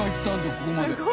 ここまで。